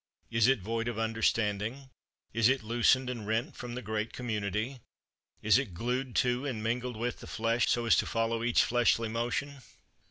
Is it void of understanding? Is it loosened and rent from the great community? Is it glued to, and mingled with, the flesh so as to follow each fleshly motion?